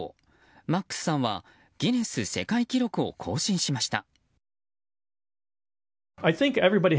マックスさんはギネス世界記録を更新しました。